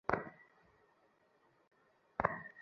তুমি তা নিয়ে মিথ্যে টানাটানি কোরো না।